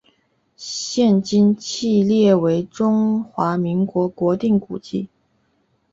现今亦列为中华民国国定古迹。